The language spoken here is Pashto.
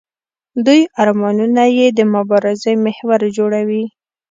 دوی ارمانونه یې د مبارزې محور جوړوي.